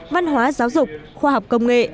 văn hóa giáo dục khoa học công nghệ